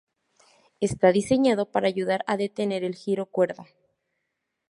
Está diseñado para ayudar a detener el giro cuerda.